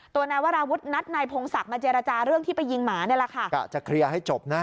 นายวราวุฒินัดนายพงศักดิ์มาเจรจาเรื่องที่ไปยิงหมานี่แหละค่ะกะจะเคลียร์ให้จบนะ